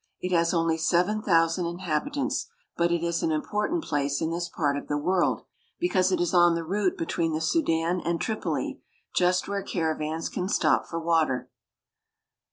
It has only seven thousand inhabitants ; but it is an important place in this part of the world, because it is on the route between the Sudan and Tripoli, just where caravans can stop for water.